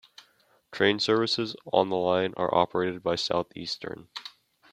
Train services on the line are operated by Southeastern.